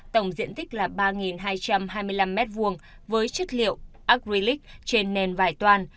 tổng diện tích là ba hai trăm hai mươi năm mét vuông với chất liệu acrylic trên nền vải toan